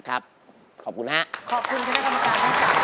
ขอบคุณคุณแก่กรรมการคุณการ